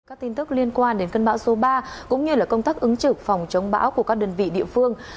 các tin tức liên quan đến cơn bão số ba cũng như công tác ứng trực phòng chống bão của các đơn vị địa phương